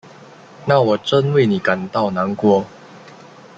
那我真为你感到难过。